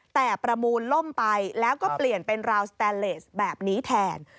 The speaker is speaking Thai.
แต่ประมูลล่มไปแล้วก็เปลี่ยนเป็นราวสแตนเลสแบบนี้แทน